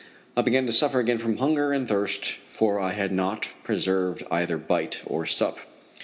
I began to suffer again from hunger and thirst, for I had not preserved either bite or sup.